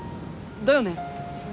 だよね！